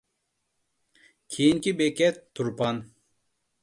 كېيىنكى بېكەت تۇرپان.